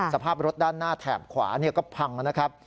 สภาพรถด้านหน้าแถบขวาก็พังนะครับ